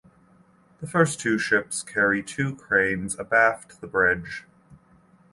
The first two ships carry two cranes abaft the bridge.